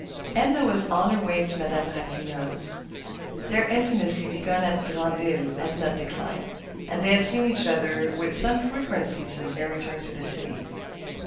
Edna was on her way to Madame Ratignolle's. Their intimacy, begun at Grand Isle, had not declined, and they had seen each other with some frequency since their return to the city.